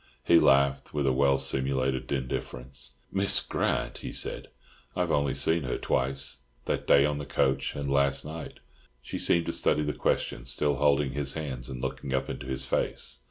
He laughed with a well simulated indifference. "Miss Grant!" he said, "I have only seen her twice—that day on the coach and last night." She seemed to study the question, still holding his hands, and looking up into his face.